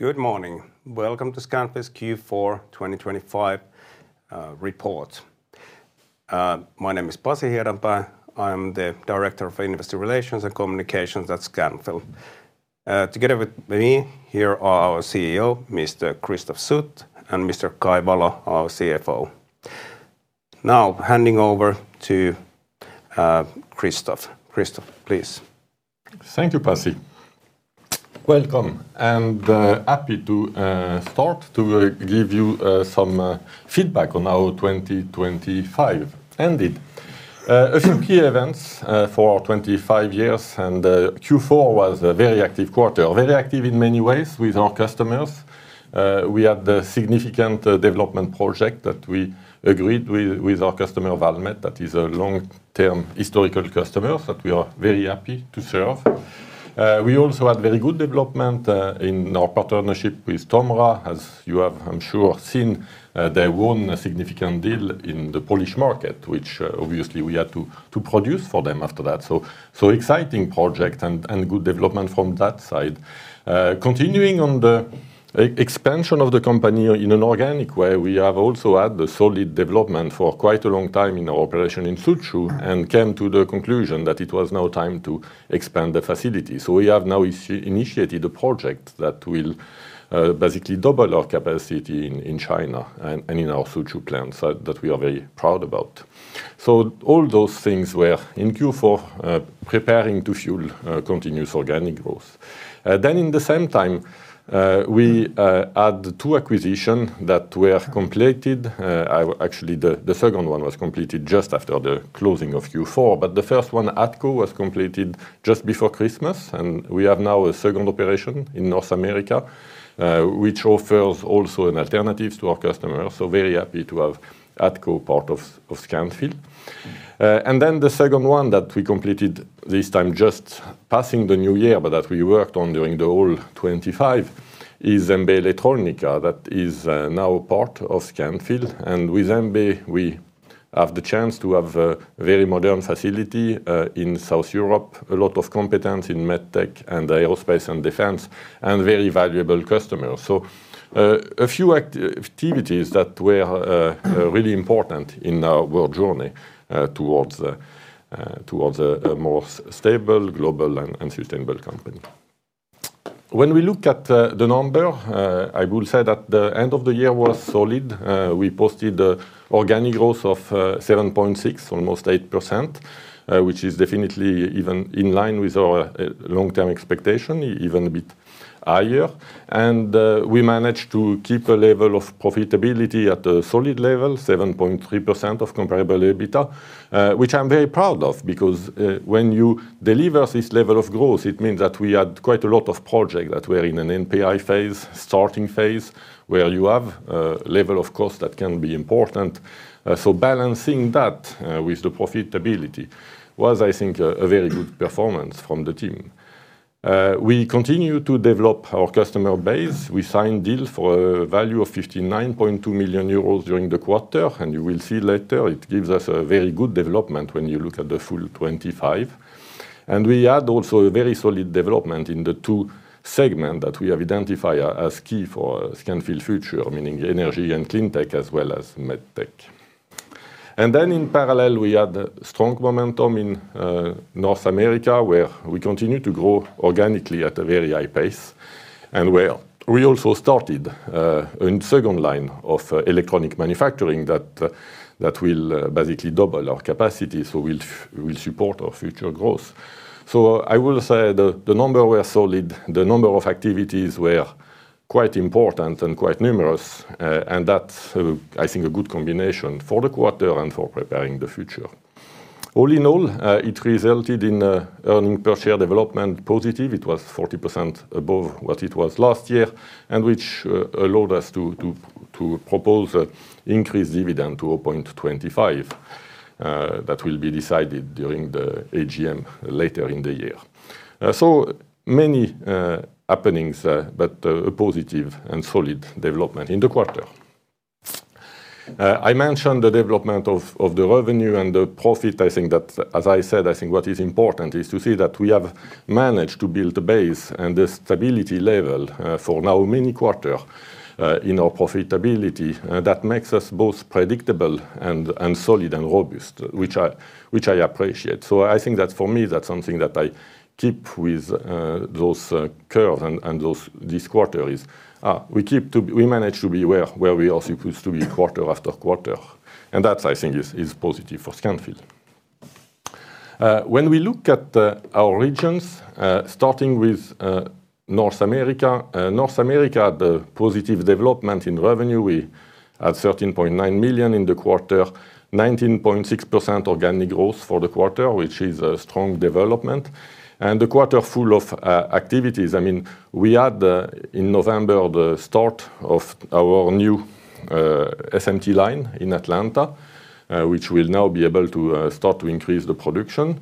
Good morning. Welcome to Scanfil's Q4 2025 report. My name is Pasi Hiedanpää. I'm the Director of Investor Relations and Communications at Scanfil. Together with me here are our CEO, Mr. Christophe Sut, and Mr. Kai Valo, our CFO. Now, handing over to Christophe. Christophe, please. Thank you, Pasi. Welcome, and happy to start to give you some feedback on our 2025 ended. A few key events for our 25 years, and Q4 was a very active quarter. Very active in many ways with our customers. We had the significant development project that we agreed with our customer, Valmet. That is a long-term historical customer that we are very happy to serve. We also had very good development in our partnership with Tomra, as you have, I'm sure, seen, they won a significant deal in the Polish market, which obviously we had to produce for them after that. So, exciting project and good development from that side. Continuing on the expansion of the company in an organic way, we have also had the solid development for quite a long time in our operation in Suzhou, and came to the conclusion that it was now time to expand the facility. We have now initiated a project that will basically double our capacity in China and in our Suzhou plant, so that we are very proud about. All those things were in Q4, preparing to fuel continuous organic growth. In the same time, we had two acquisition that were completed. I-- actually, the second one was completed just after the closing of Q4, but the first one, ADCO, was completed just before Christmas, and we have now a second operation in North America, which offers also an alternative to our customers. Very happy to have ADCO part of Scanfil. Then the second one that we completed this time, just passing the new year, but that we worked on during the whole 25, is MB Elettronica, that is now part of Scanfil. With MB, we have the chance to have a very modern facility in South Europe, a lot of competence in MedTech and aerospace and defense, and very valuable customers. A few activities that were really important in our world journey towards a more stable, global, and sustainable company. When we look at the number, I will say that the end of the year was solid. We posted organic growth of 7.6%, almost 8%, which is definitely in line with our long-term expectation, even a bit higher. We managed to keep the level of profitability at a solid level, 7.3% of comparable EBITDA, which I'm very proud of, because when you deliver this level of growth, it means that we had quite a lot of projects that were in an NPI phase, starting phase, where you have a level of cost that can be important. Balancing that with the profitability was, I think, a very good performance from the team. We continue to develop our customer base. We signed deals for a value of 59.2 million euros during the quarter, and you will see later, it gives us a very good development when you look at the full 25. And we add also a very solid development in the two segments that we have identified as key for Scanfil future, meaning Energy and Cleantech as well as MedTech. And then in parallel, we had strong momentum in North America, where we continue to grow organically at a very high pace, and where we also started in second line of electronic manufacturing that will basically double our capacity, so will support our future growth. So I will say the number were solid, the number of activities were quite important and quite numerous, and that's, I think, a good combination for the quarter and for preparing the future. All in all, it resulted in an earnings per share development positive. It was 40% above what it was last year, and which allowed us to propose an increased dividend to 0.25, that will be decided during the AGM later in the year. So many happenings, but a positive and solid development in the quarter. I mentioned the development of the revenue and the profit. I think that, as I said, I think what is important is to see that we have managed to build a base and the stability level for now many quarters in our profitability that makes us both predictable and solid and robust, which I appreciate. So I think that for me, that's something that I keep with those curves and those—this quarter we manage to be where we are supposed to be quarter after quarter, and that, I think, is positive for Scanfil. When we look at our regions, starting with North America. North America, the positive development in revenue, we had 13.9 million in the quarter, 19.6% organic growth for the quarter, which is a strong development, and a quarter full of activities. I mean, we had the, in November, the start of our new SMT line in Atlanta, which we'll now be able to start to increase the production,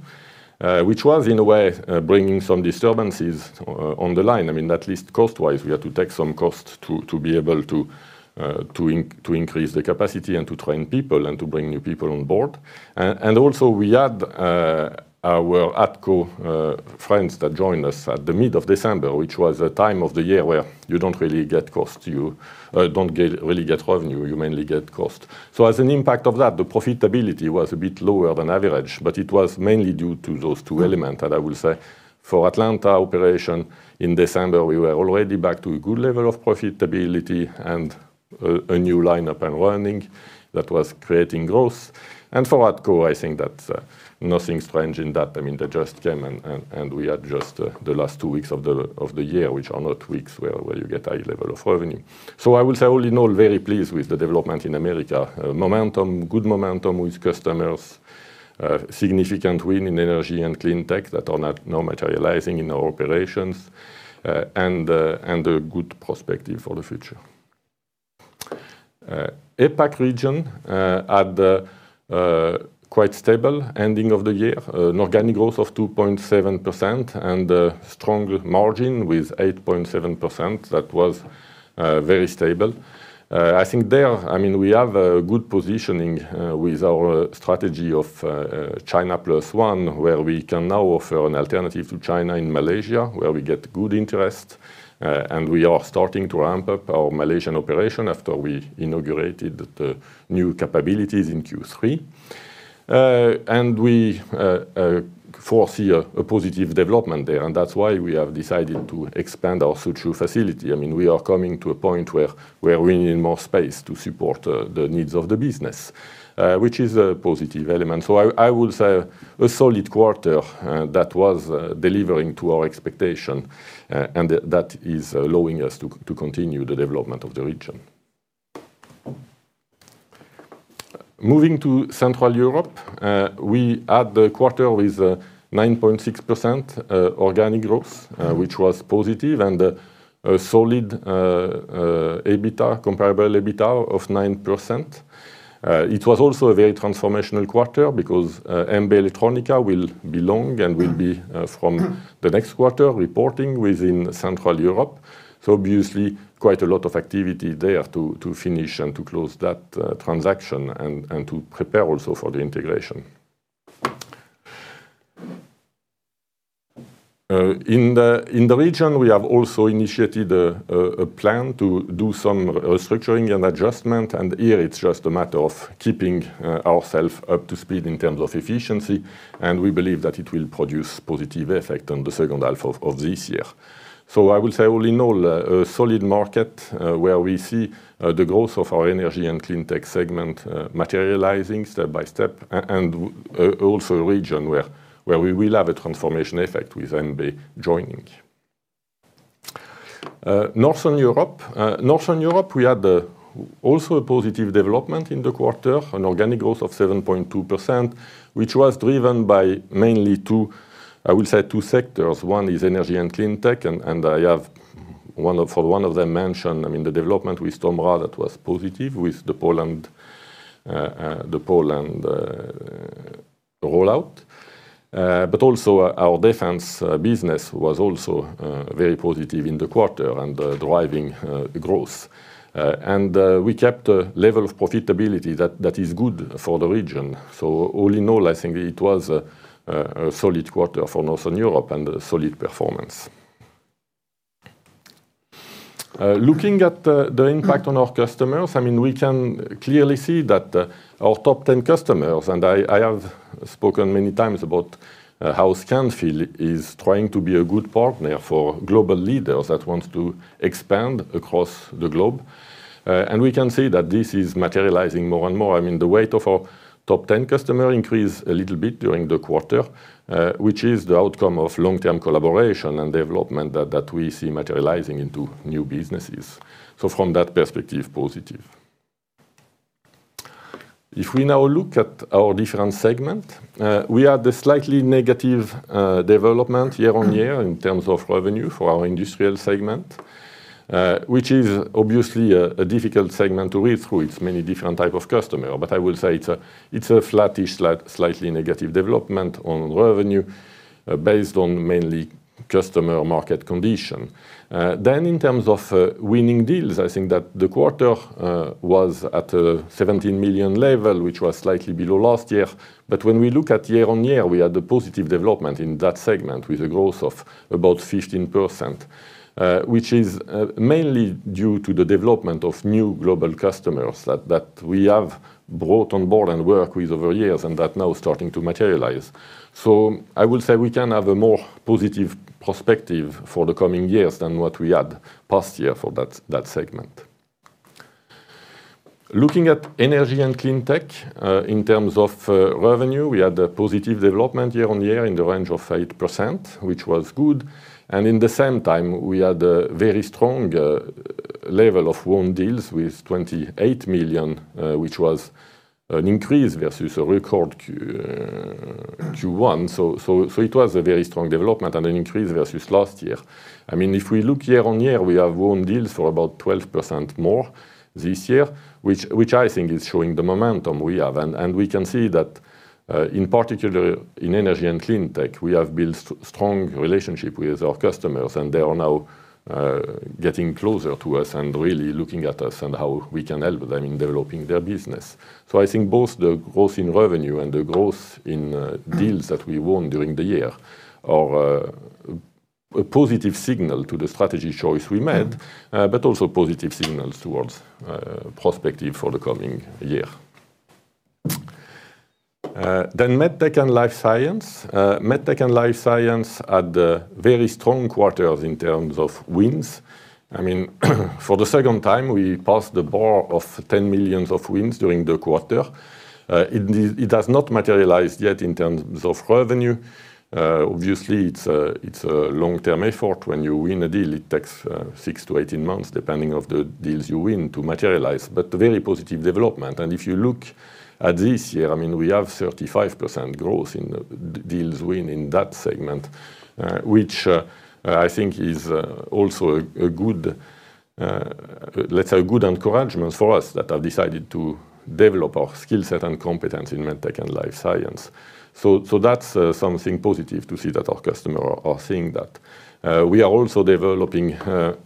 which was, in a way, bringing some disturbances on the line. I mean, at least cost-wise, we had to take some cost to be able to increase the capacity and to train people and to bring new people on board. And also, we had our ADCO friends that joined us at the mid of December, which was a time of the year where you don't really get cost. You don't get-- really get revenue, you mainly get cost. So as an impact of that, the profitability was a bit lower than average, but it was mainly due to those two elements. And I will say, for Atlanta operation in December, we were already back to a good level of profitability and a new lineup and learning that was creating growth. And for ADCO, I think that, nothing strange in that. I mean, they just came and we had just the last two weeks of the year, which are not weeks where you get high level of revenue. So I will say, all in all, very pleased with the development in America. Momentum, good momentum with customers, significant win in Energy and Cleantech that are now materializing in our operations, and a good perspective for the future. APAC region had a quite stable ending of the year, an organic growth of 2.7%, and a strong margin with 8.7%. That was very stable. I think there, I mean, we have a good positioning with our strategy of China plus one, where we can now offer an alternative to China in Malaysia, where we get good interest, and we are starting to ramp up our Malaysian operation after we inaugurated the new capabilities in Q3. And we foresee a positive development there, and that's why we have decided to expand our Sutera facility. I mean, we are coming to a point where we need more space to support the needs of the business, which is a positive element. So I would say a solid quarter that was delivering to our expectation and that is allowing us to continue the development of the region. Moving to Central Europe, we had a quarter with 9.6% organic growth, which was positive and a solid comparable EBITDA of 9%. It was also a very transformational quarter because MB Elettronica will belong and will be from the next quarter reporting within Central Europe. So obviously, quite a lot of activity there to finish and to close that transaction and to prepare also for the integration. In the region, we have also initiated a plan to do some restructuring and adjustment, and here it's just a matter of keeping ourselves up to speed in terms of efficiency, and we believe that it will produce positive effect on the second half of this year. So I will say all in all, a solid market where we see the growth of our Energy and Cleantech segment materializing step by step, and also a region where we will have a transformation effect with MB joining. Northern Europe. Northern Europe, we had also a positive development in the quarter, an organic growth of 7.2%, which was driven by mainly two, I would say, two sectors. One is Energy and Cleantech, and I have one of for one of them mentioned, I mean, the development with Tomra, that was positive with the Poland rollout. But also our defense business was also very positive in the quarter and driving the growth. And we kept a level of profitability that is good for the region. So all in all, I think it was a solid quarter for Northern Europe and a solid performance. Looking at the impact on our customers, I mean, we can clearly see that our top 10 customers, and I have spoken many times about how Scanfil is trying to be a good partner for global leaders that want to expand across the globe. And we can see that this is materializing more and more. I mean, the weight of our top ten customer increased a little bit during the quarter, which is the outcome of long-term collaboration and development that, that we see materializing into new businesses. From that perspective, positive. If we now look at our different segment, we had a slightly negative development year-on-year in terms of revenue for our industrial segment, which is obviously a difficult segment to read through. It's many different type of customer, but I will say it's a flattish, slightly negative development on revenue, based on mainly customer market condition. In terms of winning deals, I think that the quarter was at a 17 million level, which was slightly below last year. When we look at year-over-year, we had a positive development in that segment, with a growth of about 15%, which is mainly due to the development of new global customers that we have brought on board and work with over years, and that now is starting to materialize. I would say we can have a more positive perspective for the coming years than what we had past year for that segment. Looking at Energy and Cleantech, in terms of revenue, we had a positive development year-over-year in the range of 8%, which was good, and at the same time, we had a very strong level of won deals with 28 million, which was an increase versus a record Q1. So it was a very strong development and an increase versus last year. I mean, if we look year-on-year, we have won deals for about 12% more this year, which I think is showing the momentum we have. And we can see that, in particular, in Energy and Cleantech, we have built strong relationship with our customers, and they are now getting closer to us and really looking at us and how we can help them in developing their business. So I think both the growth in revenue and the growth in deals that we won during the year are a positive signal to the strategy choice we made, but also positive signals towards prospective for the coming year. Then MedTech and Life Science. MedTech and Life Science had a very strong quarter in terms of wins. I mean, for the second time, we passed the bar of 10 million of wins during the quarter. It has not materialized yet in terms of revenue. Obviously, it's a long-term effort. When you win a deal, it takes six to 18 months, depending on the deals you win, to materialize, but very positive development. If you look at this year, I mean, we have 35% growth in the deals win in that segment, which I think is also a good encouragement for us that have decided to develop our skill set and competence in MedTech and Life Science. So that's something positive to see that our customer are seeing that. We are also developing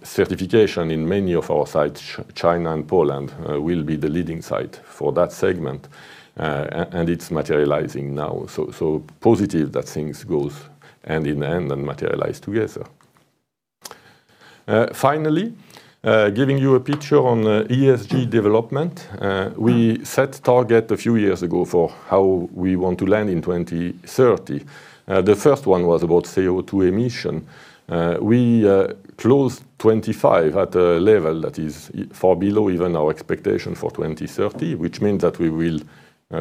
certification in many of our sites. China and Poland will be the leading site for that segment, and it's materializing now. So positive that things goes hand in hand and materialize together. Finally, giving you a picture on ESG development. We set target a few years ago for how we want to land in 2030. The first one was about CO2 emission. We closed 2025 at a level that is far below even our expectation for 2030, which means that we will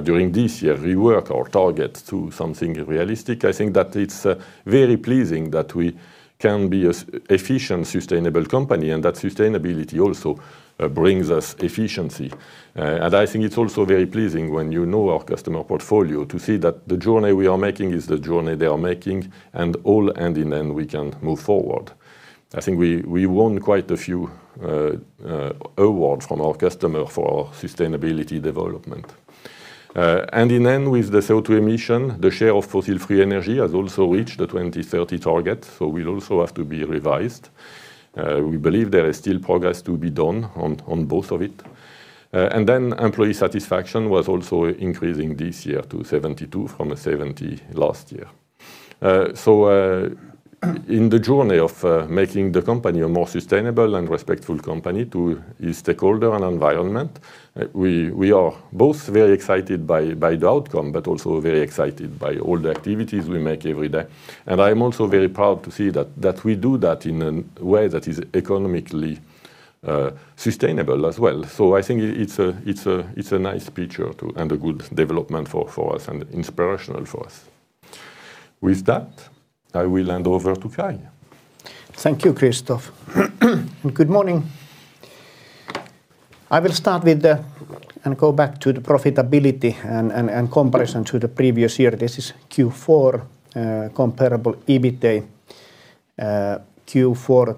during this year rework our target to something realistic. I think that it's very pleasing that we can be an efficient, sustainable company, and that sustainability also brings us efficiency. And I think it's also very pleasing, you know, our customer portfolio, to see that the journey we are making is the journey they are making, and all, hand in hand, we can move forward. I think we won quite a few awards from our customer for our sustainability development. And in the end, with the CO2 emission, the share of fossil-free Energy has also reached the 2030 target, so we'll also have to be revised. We believe there is still progress to be done on both of it. And then employee satisfaction was also increasing this year to 72 from a 70 last year. So, in the journey of making the company a more sustainable and respectful company to the stakeholder and environment, we are both very excited by the outcome, but also very excited by all the activities we make every day. And I'm also very proud to see that we do that in a way that is economically sustainable as well. So I think it's a nice picture to and a good development for us and inspirational for us. With that, I will hand over to Kai. Thank you, Christophe. Good morning. I will start with the and go back to the profitability and comparison to the previous year. This is Q4, comparable EBITDA. Q4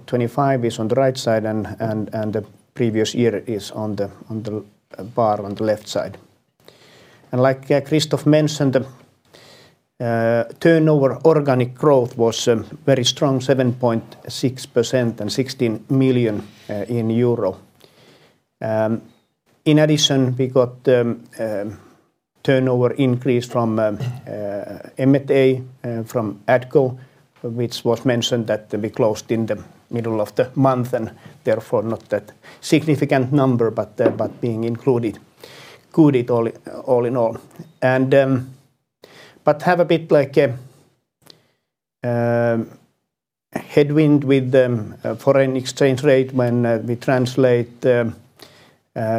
2025 is on the right side and the previous year is on the bar on the left side. And like Christophe mentioned, the turnover organic growth was very strong, 7.6% and 16 million euro. In addition, we got the turnover increase from ADCO, which was mentioned that we closed in the middle of the month, and therefore, not that significant number, but being included all in all. We have a bit like a headwind with the foreign exchange rate when we translate the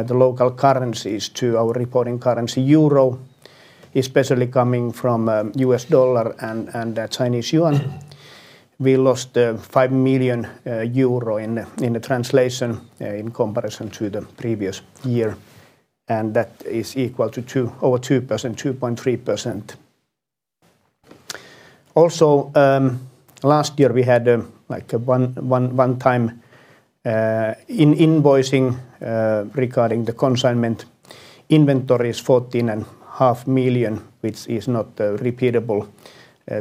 local currencies to our reporting currency, euro, especially coming from US dollar and the Chinese yuan. We lost 5 million euro in the translation in comparison to the previous year, and that is equal to over 2%, 2.3%. Also, last year, we had a one-time invoicing regarding the consignment inventories, 14.5 million, which is not a repeatable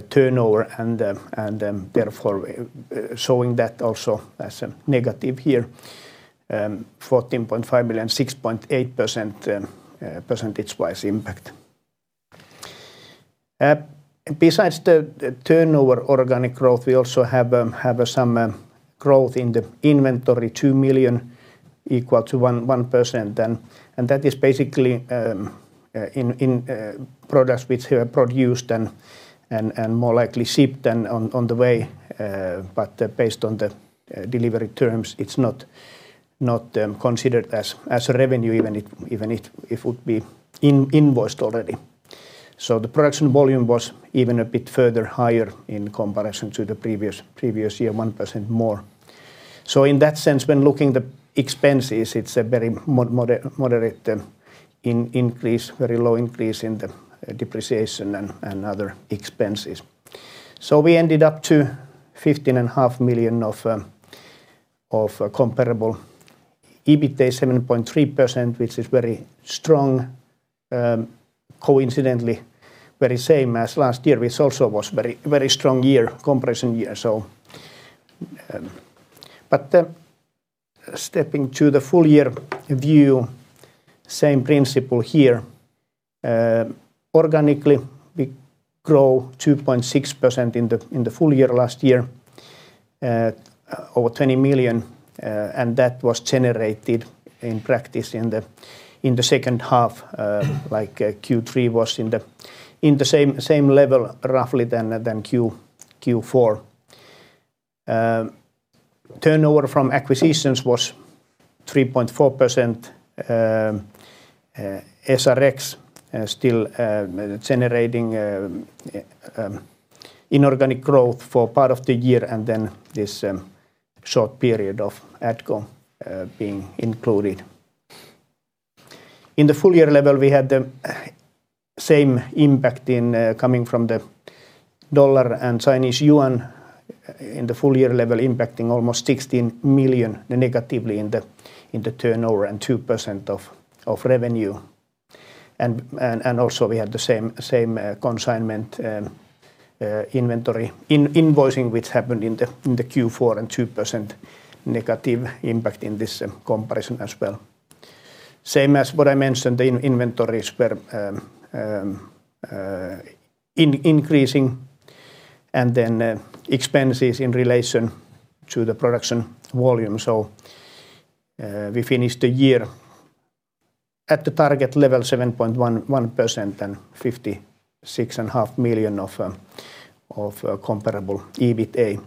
turnover, and therefore, showing that also as a negative here, 14.5 million, 6.8% percentage-wise impact. Besides the turnover organic growth, we also have some growth in the inventory, 2 million equal to 1%, and that is basically in products which were produced and more likely shipped and on the way, but based on the delivery terms, it's not considered as revenue, even if it would be invoiced already. The production volume was even a bit further higher in comparison to the previous year, 1% more. In that sense, when looking at the expenses, it's a very moderate increase, very low increase in the depreciation and other expenses. So we ended up at 15.5 million of comparable EBITDA, 7.3%, which is very strong, coincidentally, very same as last year, which also was very, very strong year, comparison year. But stepping to the full year view, same principle here. Organically, we grow 2.6% in the full year last year, over 20 million, and that was generated in practice in the second half, like Q3 was in the same level roughly than Q4. Turnover from acquisitions was 3.4%, SRX still generating inorganic growth for part of the year, and then this short period of ADCO being included. In the full year level, we had the same impact in coming from the dollar and Chinese yuan in the full year level, impacting almost 16 million negatively in the turnover and 2% of revenue. Also, we had the same consignment inventory invoicing, which happened in Q4 and 2% negative impact in this comparison as well. Same as what I mentioned, the inventories were increasing, and then expenses in relation to the production volume. We finished the year at the target level, 7.11%, and 56.5 million of comparable EBITDA.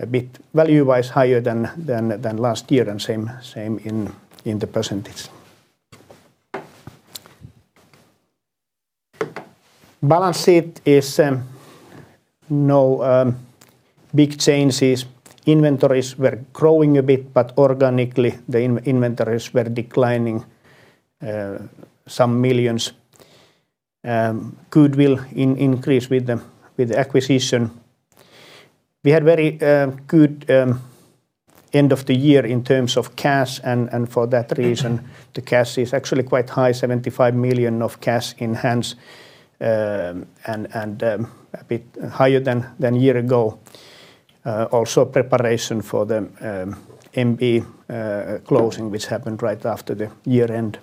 A bit value-wise higher than last year, and same in the percentage. Balance sheet is no big changes. Inventories were growing a bit, but organically, the inventories were declining some millions. Goodwill increased with the acquisition. We had very good end of the year in terms of cash, and for that reason, the cash is actually quite high, 75 million of cash in hands, and a bit higher than year ago. Also preparation for the MB closing, which happened right after the year end.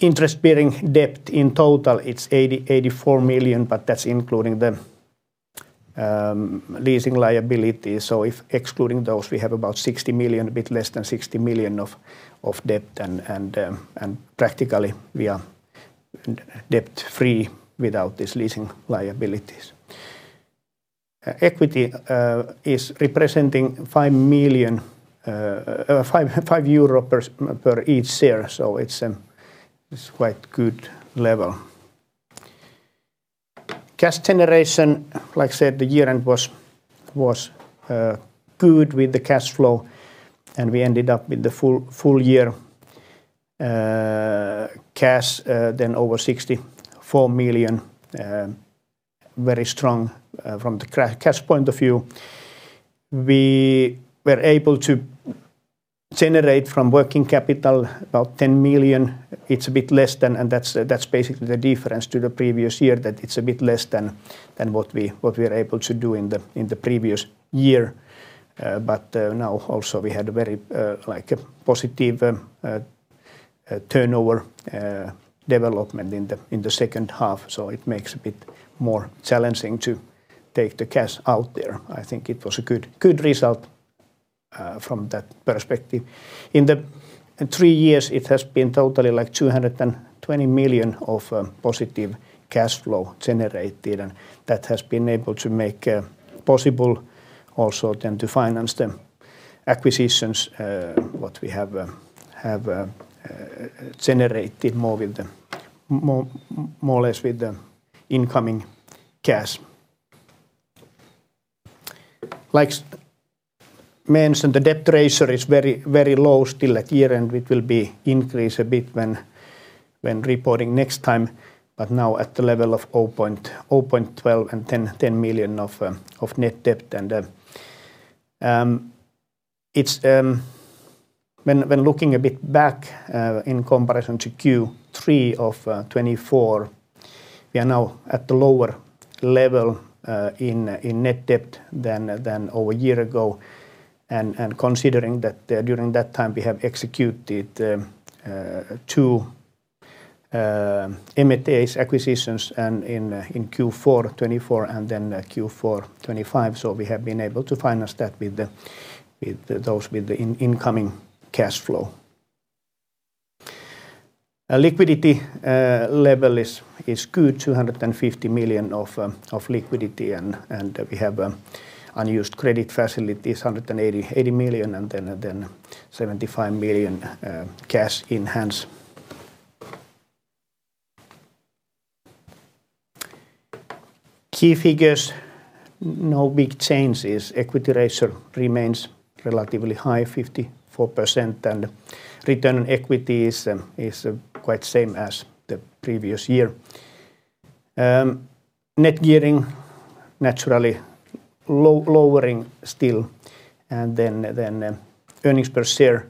Interest-bearing debt, in total, it's 84 million, but that's including the leasing liability. If excluding those, we have about 60 million, a bit less than 60 million of debt, and practically, we are debt-free without these leasing liabilities. Equity is representing 5 euro, 5 per each share, so it's quite good level. Cash generation, like I said, the year-end was good with the cash flow, and we ended up with the full year cash then over 64 million. Very strong from the cash point of view. We were able to generate from working capital about 10 million. It's a bit less than and that's basically the difference to the previous year, that it's a bit less than what we were able to do in the previous year. But now also we had a very like a positive turnover development in the second half, so it makes a bit more challenging to take the cash out there. I think it was a good result from that perspective. In the three years, it has been totally like 220 million of positive cash flow generated, and that has been able to make possible also then to finance the acquisitions what we have generated more or less with the incoming cash. Like mentioned, the debt ratio is very, very low still at year-end. It will be increased a bit when reporting next time, but now at the level of 0.012 and 10 million of net debt. It's when looking a bit back in comparison to Q3 of 2024, we are now at the lower level in net debt than over a year ago. Considering that, during that time, we have executed two M&A acquisitions, in Q4 2024 and then Q4 2025, we have been able to finance those with the incoming cash flow. Liquidity level is good, 250 million of liquidity, and we have unused credit facilities, 180 million, and then 75 million cash in hand. Key figures, no big changes. Equity ratio remains relatively high, 54%, and return on equity is quite same as the previous year. Net gearing, naturally lowering still, and then earnings per share,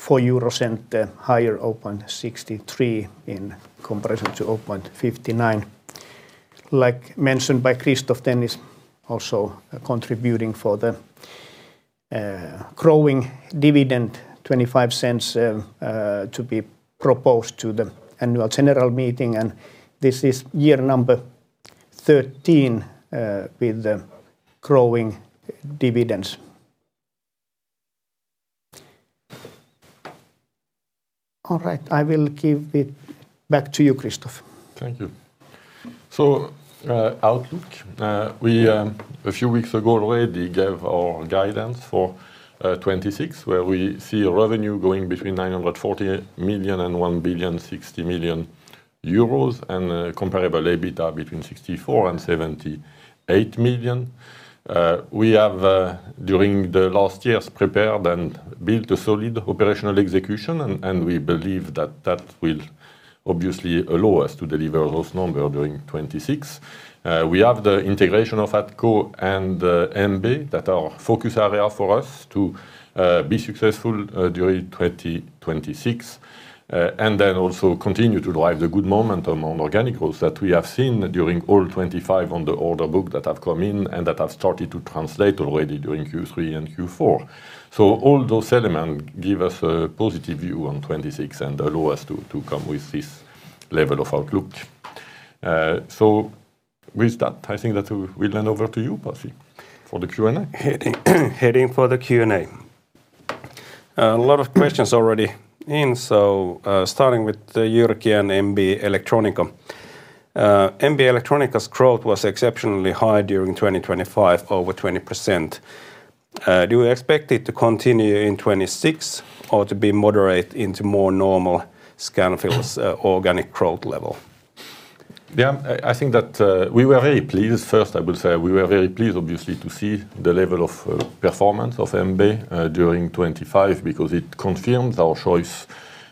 4.63 euro in comparison to 4.59. Like mentioned by Christophe, then is also contributing for the growing dividend, 0.25 to be proposed to the annual general meeting, and this is year number 13 with the growing dividends. All right, I will give it back to you, Christophe. Thank you. So, outlook, we, a few weeks ago already gave our guidance for 2026, where we see revenue going between 940 million and 1,060 million euros, and a comparable EBITDA between 64 million and 78 million. We have, during the last years, prepared and built a solid operational execution, and, we believe that that will obviously allow us to deliver those number during 2026. We have the integration of ADCO and, MB, that are focus area for us to, be successful, during 2026. And then also continue to drive the good momentum on organic growth that we have seen during all 2025 on the order book that have come in and that have started to translate already during Q3 and Q4. All those element give us a positive view on '26 and allow us to come with this level of outlook. With that, I think that we hand over to you, Pasi, for the Q&A. Heading, heading for the Q&A. A lot of questions already in, so, starting with Jyrki and MB Elettronica. MB Elettronica's growth was exceptionally high during 2025, over 20%. Do you expect it to continue in 2026 or to be moderate into more normal Scanfil's organic growth level? Yeah, I, I think that, we were very pleased. First, I will say we were very pleased, obviously, to see the level of performance of MB during 2025, because it confirms our choice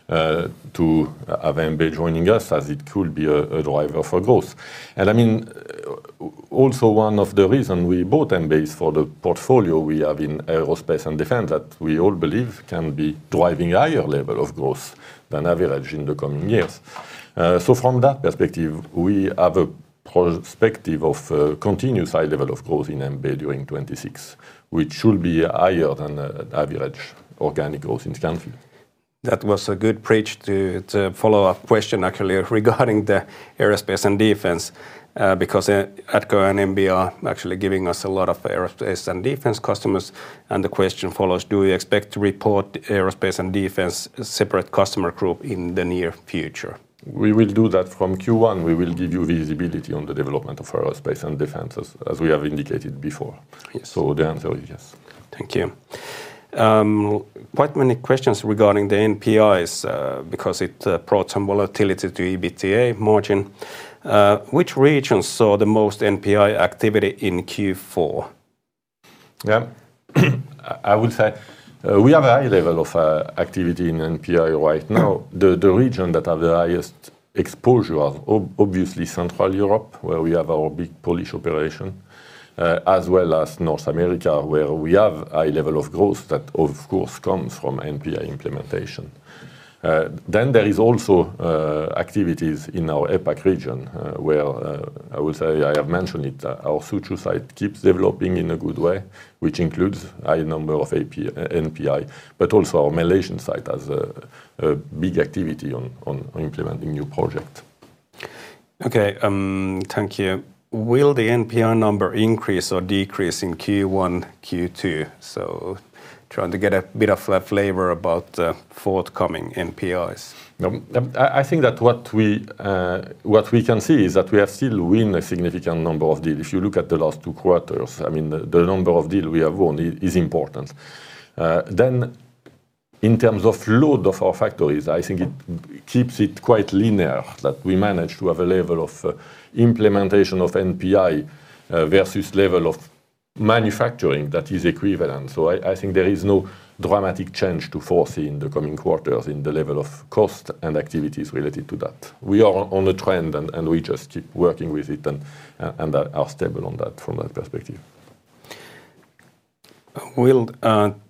to have MB joining us, as it could be a, a driver for growth. And I mean, also one of the reason we bought MB is for the portfolio we have in aerospace and defense, that we all believe can be driving higher level of growth than average in the coming years. So from that perspective, we have a perspective of continuous high level of growth in MB during 2026, which should be higher than average organic growth in Scanfil. That was a good bridge to follow-up question, actually, regarding the aerospace and defense. ADCO and MB are actually giving us a lot of aerospace and defense customers, and the question follows: Do we expect to report aerospace and defense separate customer group in the near future? We will do that from Q1. We will give you visibility on the development of aerospace and defense as we have indicated before. Yes. The answer is yes. Thank you. Quite many questions regarding the NPIs, because it brought some volatility to EBITDA margin. Which regions saw the most NPI activity in Q4? Yeah. I would say we have a high level of activity in NPI right now. The region that have the highest exposure are obviously Central Europe, where we have our big Polish operation, as well as North America, where we have a high level of growth that, of course, comes from NPI implementation. Then there is also activities in our APAC region, where I would say I have mentioned it, our Suzhou site keeps developing in a good way, which includes a high number of NPI, but also our Malaysian site has a big activity on implementing new project. Okay, thank you. Will the NPI number increase or decrease in Q1, Q2? So, trying to get a bit of a flavor about the forthcoming NPIs. I think that what we can see is that we have still win a significant number of deal. If you look at the last two quarters, I mean, the number of deal we have won is important. In terms of load of our factories, I think it keeps it quite linear, that we manage to have a level of implementation of NPI versus level of manufacturing that is equivalent. So I think there is no dramatic change to foresee in the coming quarters in the level of cost and activities related to that. We are on a trend, and we just keep working with it and that are stable on that from that perspective. Will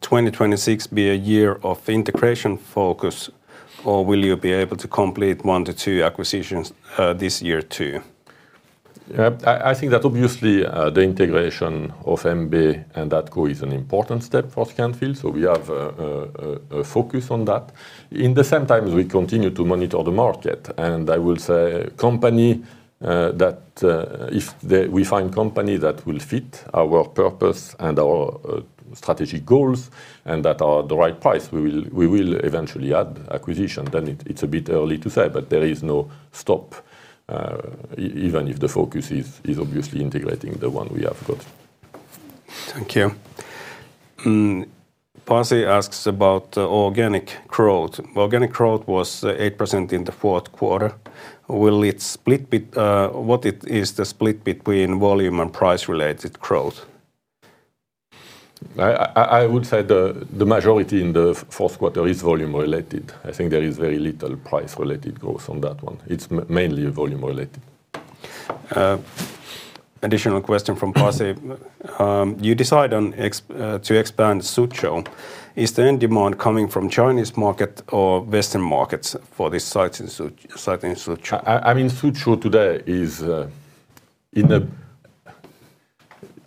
2026 be a year of integration focus, or will you be able to complete one to two acquisitions this year, too? Yeah, I think that obviously, the integration of MB and ADCO is an important step for Scanfil, so we have a focus on that. In the same time, we continue to monitor the market, and I will say company that if we find company that will fit our purpose and our strategic goals and that are the right price, we will eventually add acquisition. Then it, it's a bit early to say, but there is no stop, even if the focus is obviously integrating the one we have got. Thank you. Pasi asks about organic growth. Organic growth was 8% in the fourth quarter. What it is the split between volume and price-related growth? I would say the majority in the fourth quarter is volume-related. I think there is very little price-related growth on that one. It's mainly volume-related. Additional question from Pasi: You decide on to expand Suzhou. Is the end demand coming from Chinese market or Western markets for this site in Suzhou? I mean, Suzhou today is in a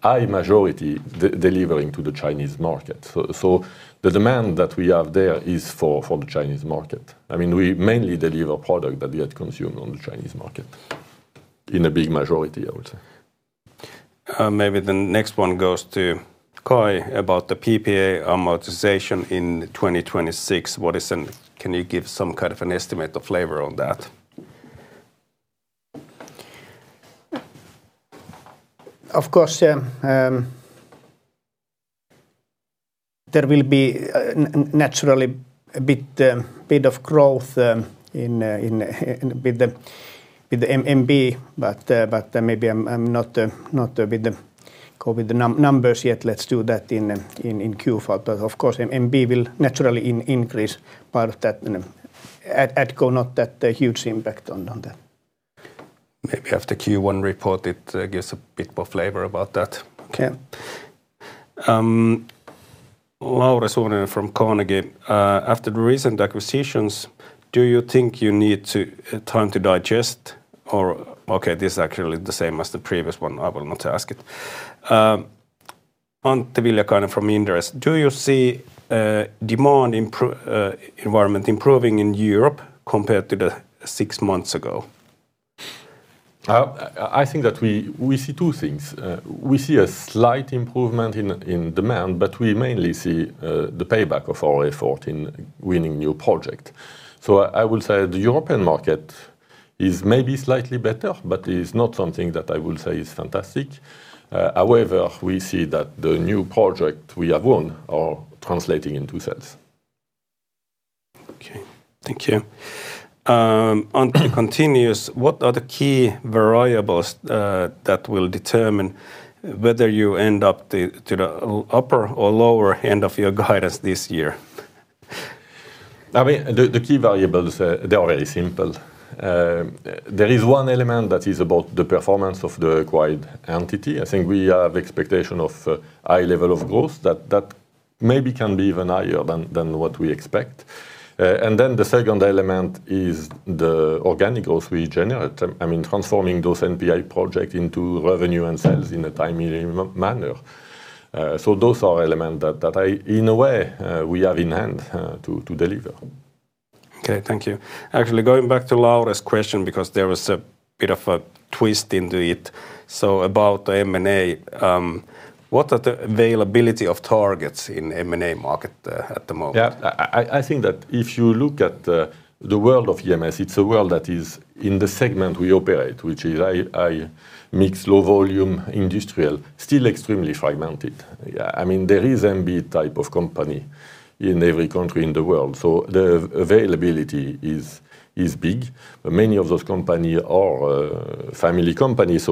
high majority delivering to the Chinese market. So the demand that we have there is for the Chinese market. I mean, we mainly deliver product that get consumed on the Chinese market, in a big majority, I would say. Maybe the next one goes to Kai about the PPA amortization in 2026. What is an, can you give some kind of an estimate or flavor on that? Of course, yeah, there will be naturally a bit of growth with the MB, but maybe I'm not going with the numbers yet. Let's do that in Q4. But of course, MB will naturally increase part of that, you know, not that a huge impact on that. Maybe after Q1 report, it gives a bit more flavor about that. Okay. Laura Suonen from Carnegie. After the recent acquisitions, do you think you need to time to digest or, okay, this is actually the same as the previous one. I will not ask it. Antti Viljakainen from Inderes: Do you see demand environment improving in Europe compared to the six months ago? I think that we see two things. We see a slight improvement in demand, but we mainly see the payback of our effort in winning new project. So I will say the European market is maybe slightly better, but it's not something that I will say is fantastic. However, we see that the new project we have won are translating into sales. Okay. Thank you. Antti continues: What are the key variables that will determine whether you end up to the upper or lower end of your guidance this year? I mean, the key variables, they are very simple. There is one element that is about the performance of the acquired entity. I think we have expectation of high level of growth, that maybe can be even higher than what we expect. And then the second element is the organic growth we generate. I mean, transforming those NPI project into revenue and sales in a timely manner. So those are element that in a way we have in hand to deliver. Okay, thank you. Actually, going back to Laura's question because there was a bit of a twist into it. So about M&A, what are the availability of targets in M&A market at the moment? Yeah. I think that if you look at the world of EMS, it's a world that is in the segment we operate, which is mixed low volume industrial, still extremely fragmented. Yeah, I mean, there is MB type of company in every country in the world, so the availability is big. But many of those companies are family companies,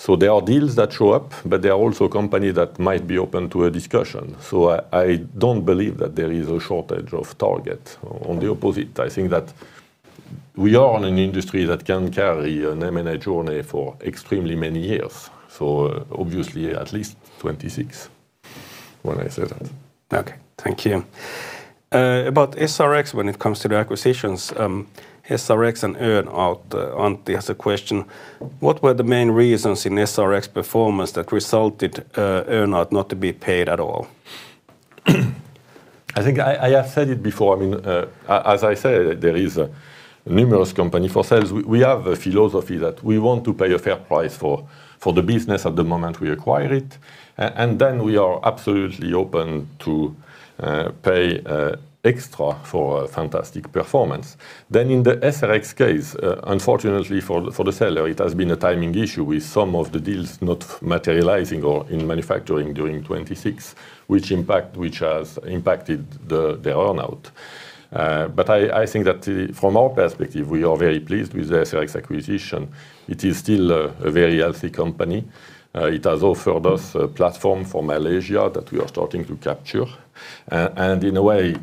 so there are deals that show up, but there are also companies that might be open to a discussion. So I don't believe that there is a shortage of target. On the opposite, I think that we are in an industry that can carry an M&A journey for extremely many years, so obviously at least 26 when I say that. Okay, thank you. About SRX, when it comes to the acquisitions, SRX and earn-out, Antti has a question: What were the main reasons in SRX performance that resulted, earn-out not to be paid at all? I think I have said it before, I mean, as I said, there is numerous company for sales. We have a philosophy that we want to pay a fair price for the business at the moment we acquire it, and then we are absolutely open to pay extra for fantastic performance. Then in the SRX case, unfortunately for the seller, it has been a timing issue with some of the deals not materializing or in manufacturing during 2026, which has impacted the earn-out. But I think that from our perspective, we are very pleased with the SRX acquisition. It is still a very healthy company. It has offered us a platform for Malaysia that we are starting to capture. And in a way,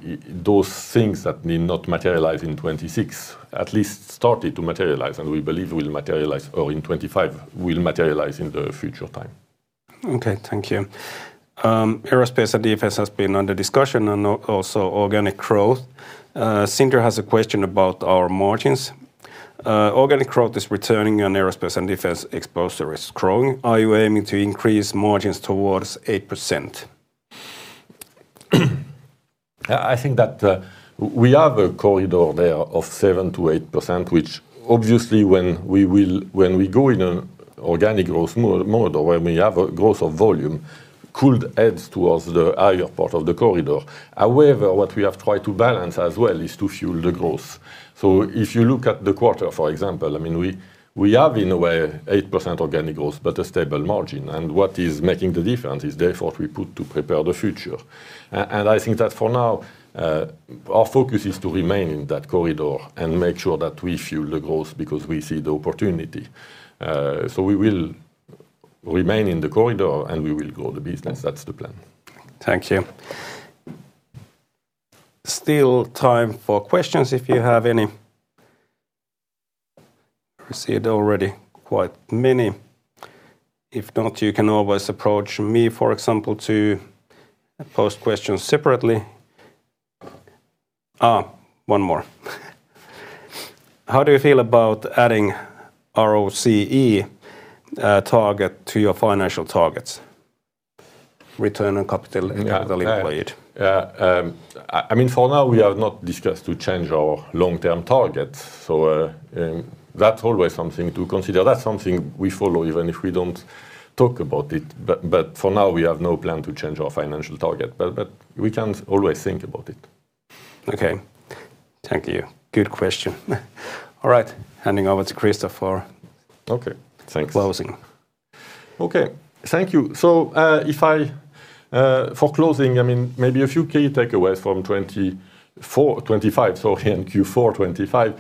those things that may not materialize in 2026, at least started to materialize, and we believe will materialize or in 2025, will materialize in the future time. Okay, thank you. Aerospace and defense has been under discussion and also organic growth. Sindre has a question about our margins. Organic growth is returning, and aerospace and defense exposure is growing. Are you aiming to increase margins towards 8%? I think that we have a corridor there of 7%-8%, which obviously when we go in an organic growth mode, or when we have a growth of volume, could edge towards the higher part of the corridor. However, what we have tried to balance as well is to fuel the growth. So if you look at the quarter, for example, I mean, we have, in a way, 8% organic growth, but a stable margin. And what is making the difference is the effort we put to prepare the future. And I think that for now our focus is to remain in that corridor and make sure that we fuel the growth because we see the opportunity. So we will remain in the corridor, and we will grow the business. That's the plan. Thank you. Still time for questions, if you have any. I see it already, quite many. If not, you can always approach me, for example, to post questions separately. Ah, one more. How do you feel about adding ROCE target to your financial targets? Return on capital employed. Yeah. I mean, for now, we have not discussed to change our long-term targets, so, that's always something to consider. That's something we follow, even if we don't talk about it. But for now, we have no plan to change our financial target, but we can always think about it. Okay. Thank you. Good question. All right, handing over to Christophe for- Okay. Thanks -closing. Okay. Thank you. For closing, I mean, maybe a few key takeaways from 2024-2025, so in Q4 2025.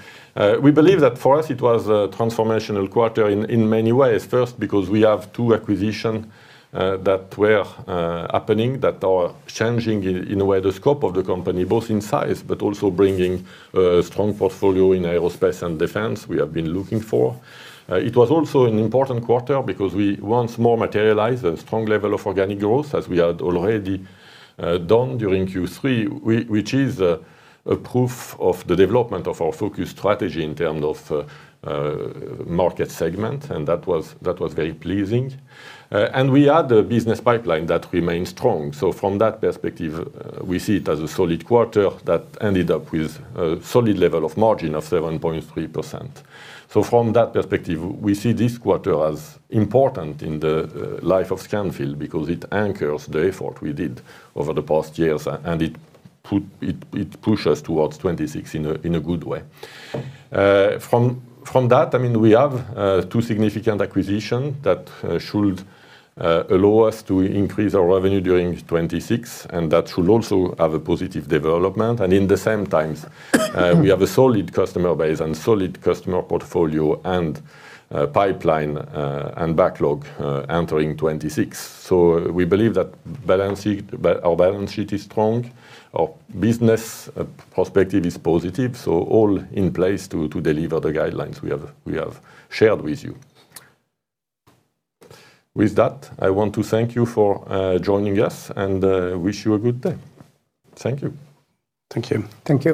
We believe that for us it was a transformational quarter in many ways. First, because we have two acquisitions that were happening, that are changing in a way the scope of the company, both in size, but also bringing a strong portfolio in aerospace and defense we have been looking for. It was also an important quarter because we once more materialized a strong level of organic growth, as we had already done during Q3, which is a proof of the development of our focus strategy in terms of market segment, and that was very pleasing. And we had a business pipeline that remained strong. From that perspective, we see it as a solid quarter that ended up with a solid level of margin of 7.3%. From that perspective, we see this quarter as important in the life of Scanfil because it anchors the effort we did over the past years, and it puts us towards 2026 in a good way. I mean, we have two significant acquisitions that should allow us to increase our revenue during 2026, and that should also have a positive development. At the same time, we have a solid customer base and solid customer portfolio and pipeline and backlog entering 2026. We believe that our balance sheet is strong. Our business perspective is positive, so all in place to deliver the guidelines we have shared with you. With that, I want to thank you for joining us and wish you a good day. Thank you. Thank you. Thank you